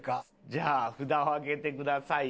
じゃあ札を上げてください。